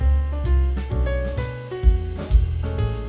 aku pilih video game yang anda menyukai